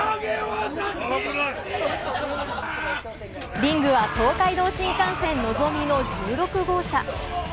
リングは東海道新幹線のぞみの１６号車。